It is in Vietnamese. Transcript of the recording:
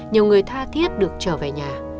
nhiều người tha thiết được trở về nhà